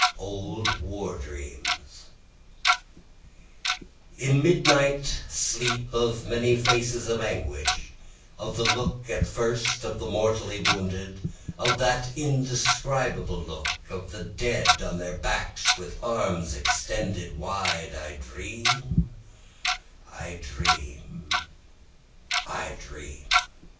Old War Dreams In midnight sleep of many a face of anguish, Of the look at first of the mortally wounded, (of that indescribable look,) Of the dead on their backs with arms extended wide, I dream, I dream, I dream.